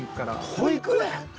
保育園？